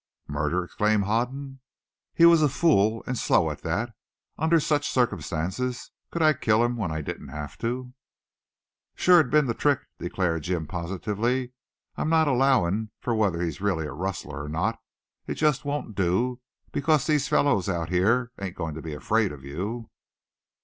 "Murder!" exclaimed Hoden. "He was a fool, and slow at that. Under such circumstances could I kill him when I didn't have to?" "Sure it'd been the trick." declared Jim positively. "I'm not allowin' for whether he's really a rustler or not. It just won't do, because these fellers out here ain't goin' to be afraid of you."